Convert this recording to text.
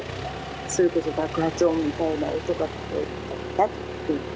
それこそ爆発音みたいな音が聞こえたって。